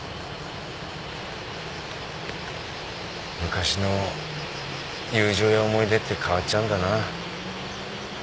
昔の友情や思い出って変わっちゃうんだな。